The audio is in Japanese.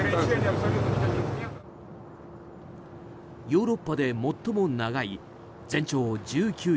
ヨーロッパで最も長い全長１９ｋｍ。